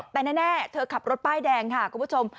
แต่แน่เธอขับรถป้ายแดงค่ะคุณผู้ชม